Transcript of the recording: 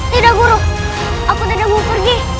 tidak buruk aku tidak mau pergi